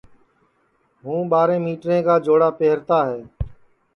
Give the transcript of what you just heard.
ہوں ٻاریں مِٹریں کا چوڑا پہرتا ہے